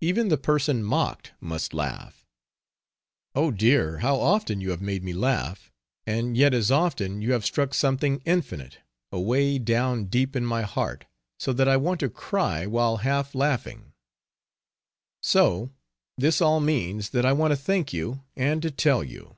Even the person mocked must laugh! Oh, Dear! How often you have made me laugh! And yet as often you have struck something infinite away down deep in my heart so that I want to cry while half laughing! So this all means that I want to thank you and to tell you.